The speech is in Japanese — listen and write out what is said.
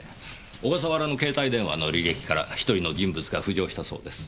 小笠原の携帯電話の履歴から１人の人物が浮上したそうです。